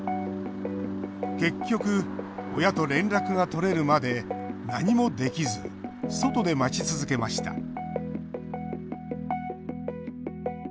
結局、親と連絡がとれるまで何もできず外で待ち続けました